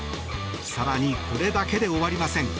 更に、これだけで終わりません。